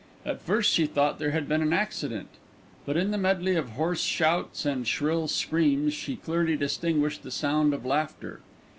At first she thought there had been an accident; but in the medley of hoarse shouts and shrill screams she clearly distinguished the sound of laughter.